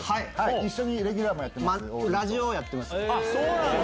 一緒にレギュラーもやラジオをやってます。